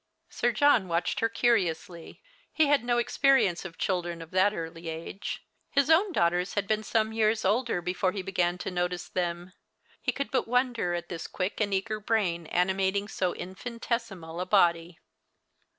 Sir John watched her curiously. He had no experience of children of that early age. His own daughters had been some years older before he began to notice them. He could but wonder at this quick and eager brain animating so infinitesimal a body.